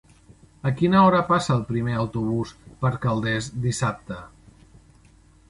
A quina hora passa el primer autobús per Calders dissabte?